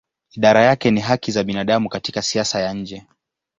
Idara yake ni haki za binadamu katika siasa ya nje.